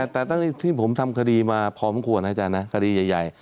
แต่ทั้งที่ผมทำคดีมาพร้อมควรอาจารย์นะคดีใหญ่